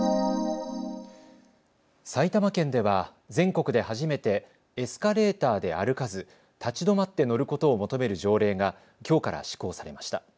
埼玉県では全国で初めてエスカレーターで歩かず立ち止まって乗ることを求める条例がきょうから施行されました。